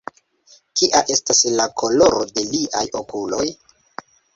Kia estas la koloro de liaj okuloj?